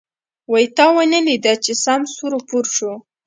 وی تا ونه ليده چې سم سور و پور شو.